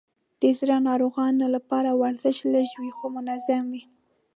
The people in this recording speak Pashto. د زړه ناروغانو لپاره ورزش لږ وي، خو منظم وي.